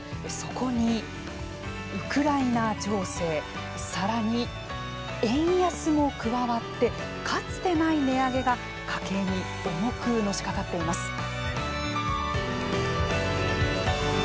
そこにウクライナ情勢さらに、円安も加わってかつてない値上げが家計に重くのしかかっています。